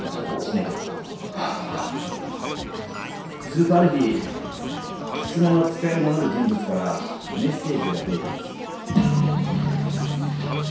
するとある日「狐の遣い」を名乗る人物からメッセージが届いたんです。